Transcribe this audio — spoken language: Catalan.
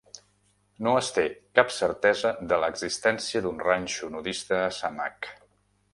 No es té cap certesa de l'existència d'un ranxo nudista a Samak.